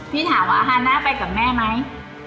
พี่ถามว่าฮาน่าไปกับแม่ไหม